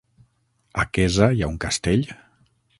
A Quesa hi ha un castell?